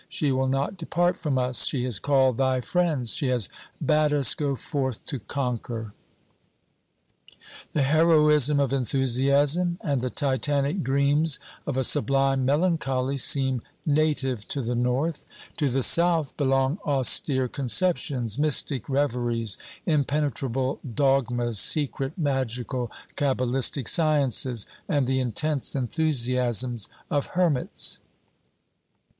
She will not depart from us. She has called thy friends ; she has bade us go forth to conquer." The heroism of enthusiasm and the titanic dreams of a sublime melancholy seem native to the North ; to the OBERMANN 307 South belong austere conceptions, mystic reveries, impene trable dogmas, secret, magical, cabalistic sciences, and the intense enthusiasms of hermits.